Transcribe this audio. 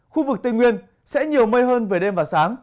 khu vực tây nguyên sẽ nhiều mây hơn về đêm và sáng